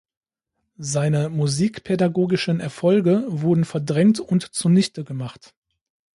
Seine musikpädagogischen Erfolge wurden verdrängt und zunichtegemacht.